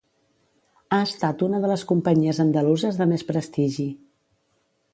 Ha estat una de les companyies andaluses de més prestigi.